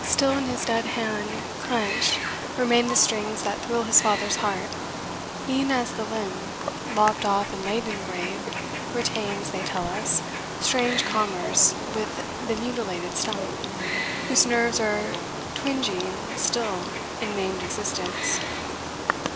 Still in his dead hand clenched remain the strings That thrill his father's heart e'en as the limb, Lopped off and laid in grave, retains, they tell us, Strange commerce with the mutilated stump, Whose nerves are twinging still in maimed existence.